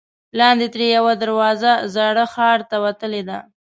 لاندې ترې یوه دروازه زاړه ښار ته وتلې ده.